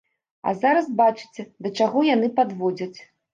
А зараз бачыце, да чаго яны падводзяць.